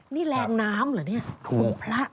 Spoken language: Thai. นี่แรงน้ำเหรอถูกละ